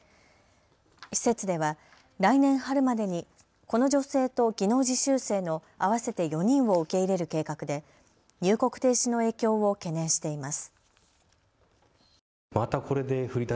施設では来年春までにこの女性と技能実習生の合わせて４人を受け入れる計画で入国停止の影響を懸念しています。